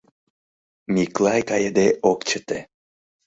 Миклай кайыде ок чыте.